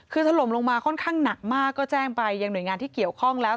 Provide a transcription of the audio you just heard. คือถล่มลงมาค่อนข้างหนักมากก็แจ้งไปยังหน่วยงานที่เกี่ยวข้องแล้ว